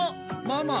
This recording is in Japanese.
ママ？